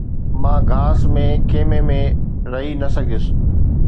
مان گھاس ۾ خيمي ۾ رهي نه سگهيس